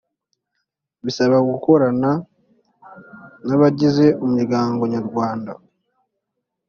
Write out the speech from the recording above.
bisaba gukorana n’abagize umuryango nyarwanda